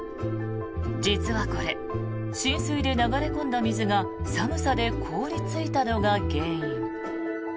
実はこれ、浸水で流れ込んだ水が寒さで凍りついたのが原因。